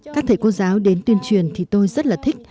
các thầy cô giáo đến tuyên truyền thì tôi rất là thích